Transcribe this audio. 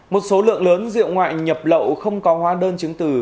một số lượng lớn rượu ngoại nhập lậu không có hóa đơn chứng từ